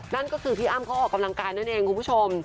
นั่นก็คือพี่อ้ำเขาออกกำลังกายนั่นเองคุณผู้ชม